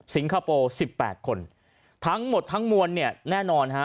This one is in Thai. สิงคโปร์๑๘คนทั้งหมดทั้งมวลเนี่ยแน่นอนฮะ